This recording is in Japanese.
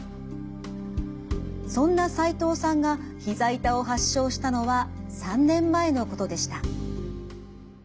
そんな齋藤さんがひざ痛を発症したのは３年前のことでした。